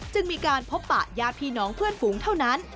จึงมีการพบปะญาติพี่น้องเพื่อนฝูงเท่านั้น